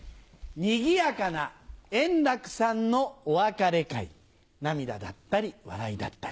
賑やかな円楽さんのお別れ会涙だったり笑いだったり。